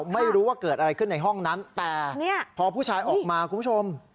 ไม่รู้ว่าเกิดอะไรขึ้นในห้องนั้นแต่พอผู้ชายออกมาคุณผู้ชม